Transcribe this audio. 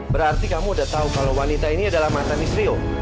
berarti kamu udah tahu kalau wanita ini adalah mantan istri